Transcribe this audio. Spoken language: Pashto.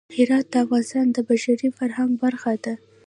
هرات د افغانستان د بشري فرهنګ برخه ده.